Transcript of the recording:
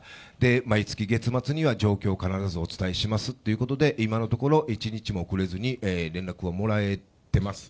毎月月末には状況を必ずお伝えしますということで、今のところ、一日も遅れずに連絡をもらえています。